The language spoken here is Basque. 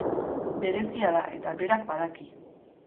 Berezia da eta berak badaki.